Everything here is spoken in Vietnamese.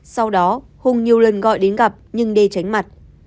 sau đó hùng nhiều lần gọi đến gặp nhưng đi tránh mặt